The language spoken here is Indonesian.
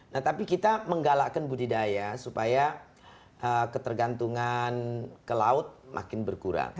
nah tapi kita menggalakkan budidaya supaya ketergantungan ke laut makin berkurang